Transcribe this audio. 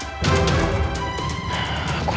tidak ada yang bisa menangkapnya